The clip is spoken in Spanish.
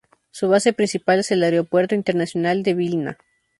Su base principal es el Aeropuerto Internacional de Vilna.